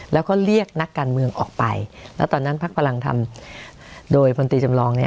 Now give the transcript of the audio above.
แล้วก็เรียกนักการเมืองออกไปแล้วตอนนั้นพักพลังทำโดยพลตรีจำลองเนี่ย